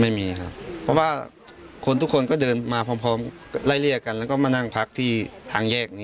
ไม่มีครับเพราะว่าคนทุกคนก็เดินมาพร้อมไล่เรียกกันแล้วก็มานั่งพักที่ทางแยกนี้